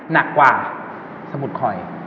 หนักกว่าสมุดคอย